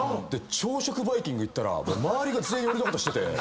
朝食バイキング行ったら周りが全員俺のこと知ってて。